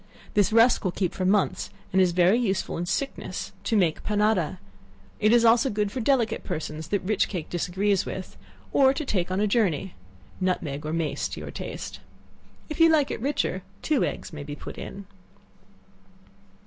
This rusk will keep for months, and is very useful in sickness, to make panada; it is also good for delicate persons that rich cake disagrees with, or to take on a journey. Nutmeg or mace to your taste. If you like it richer, two eggs may be put in.